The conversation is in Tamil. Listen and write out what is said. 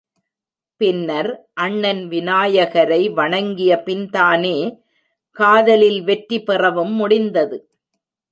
பின்னர் அண்ணன் விநாயகரை வணங்கியபின்தானே காதலில் வெற்றி பெறவும் முடிந்தது.